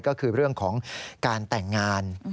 ก็คือเรื่องของการแต่งงาน